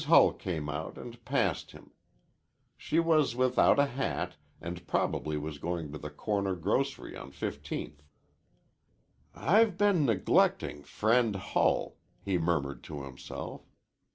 Mrs. Hull came out and passed him. She was without a hat, and probably was going to the corner grocery on Fifteenth. "I've been neglecting friend Hull," he murmured to himself.